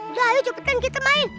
udah ayo cepetan kita main